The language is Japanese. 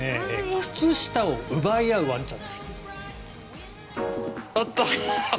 靴下を奪い合うワンちゃんです。